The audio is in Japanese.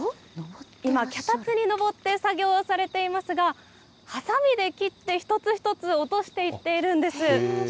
今、脚立に登って作業をされていますが、はさみで切って一つ一つ落としていっているんです。